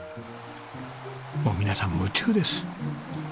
もう皆さん夢中です。